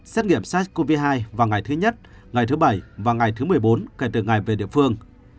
xét nghiệm sars cov hai vào ngày thứ nhất ngày thứ bảy và ngày thứ một mươi bốn kể từ ngày về địa phương